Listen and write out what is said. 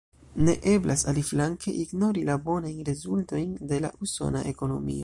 Ne eblas aliflanke ignori la bonajn rezultojn de la usona ekonomio.